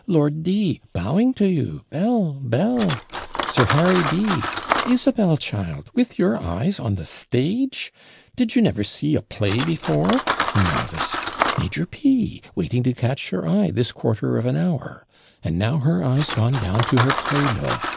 Lord D bowing to you, Belie! Belie! Sir Harry B Isabel, child, with your eyes on the stage? Did you never see a play before? Novice! Major P waiting to catch your eye this quarter of an hour; and now her eyes gone down to her play bill!